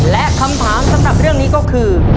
และคำถามสำหรับเรื่องนี้ก็คือ